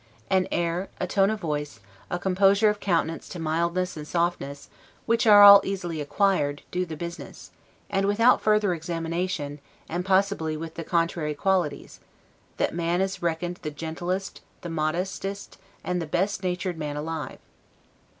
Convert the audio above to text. An air, a tone of voice, a composure of countenance to mildness and softness, which are all easily acquired, do the business: and without further examination, and possibly with the contrary qualities, that man is reckoned the gentlest, the modestest, and the best natured man alive.